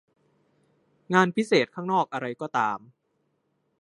งานพิเศษข้างนอกอะไรก็ตาม